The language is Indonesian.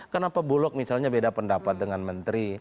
kenapa bulog misalnya beda pendapat dengan menteri